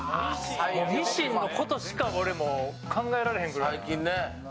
ミシンのことしか考えられへんくらい。